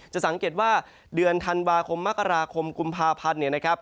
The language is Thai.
จะสังเกตว่าเดือนธันวาคมมกราคมกุมภาพันธุ์นะครับ